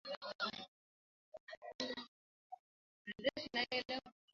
তিনি কলকাতা বিশ্ববিদ্যালয়ের Tagore professor of law হন।